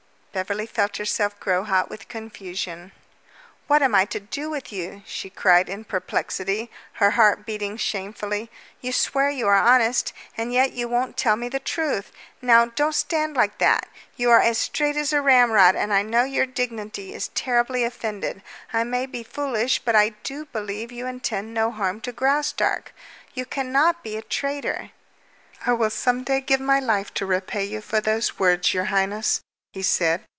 "_ Beverly felt herself grow hot with confusion. "What am I to do with you?" she cried in perplexity, her heart beating shamefully. "You swear you are honest, and yet you won't tell me the truth. Now, don't stand like that! You are as straight as a ramrod, and I know your dignity is terribly offended. I may be foolish, but I do believe you intend no harm to Graustark. You cannot be a traitor." "I will some day give my life to repay you for those words, your highness," he said.